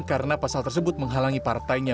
karena pasal tersebut menghalangi partainya